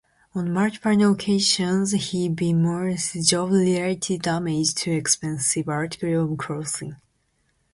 On multiple occasions he bemoans job-related damage to expensive articles of clothing.